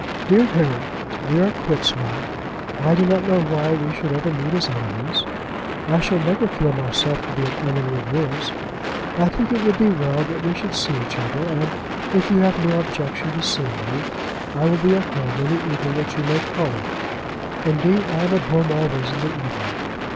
DEAR HARRY, We are quits now. I do not know why we should ever meet as enemies. I shall never feel myself to be an enemy of yours. I think it would be well that we should see each other, and if you have no objection to seeing me, I will be at home any evening that you may call. Indeed I am at home always in the evening.